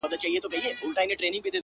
o اوس چي زه ليري بل وطن كي يمه؛